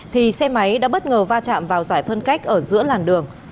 thì xe máy đã bất ngờ va chạm vào giải phân cách ở giữa làn đường